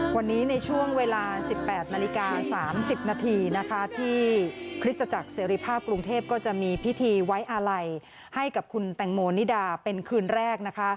วันนี้ในช่วงเวลา๑๘นาฬิกา๓๐นาทีนะคะที่คริสตจักรเสรีภาพกรุงเทพก็จะมีพิธีไว้อาลัยให้กับคุณแตงโมนิดาเป็นคืนแรกนะคะ